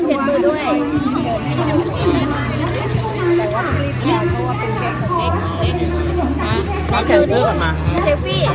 เช็ดมือด้วยเช็ดมือด้วย